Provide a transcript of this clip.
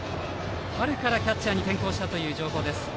春からキャッチャーに転向したという情報。